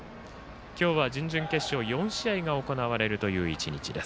今日は準々決勝４試合が行われるという１日です。